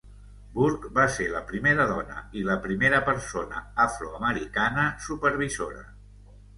Burke va ser la primera dona i la primera persona afroamericana supervisora.